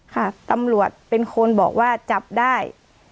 ค่ะตำรวจเป็นคนบอกว่าจับได้